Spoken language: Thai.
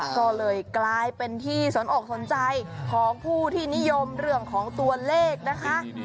ก็เลยกลายเป็นที่สนอกสนใจของผู้ที่นิยมเรื่องของตัวเลขนะคะ